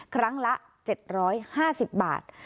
ครั้งละ๗๕๐บาท